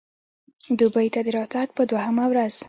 دوبۍ ته د راتګ په دوهمه ورځ.